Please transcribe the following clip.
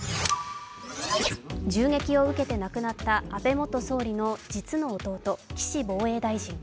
銃撃を受けて亡くなった安倍元総理の実の弟、岸防衛大臣。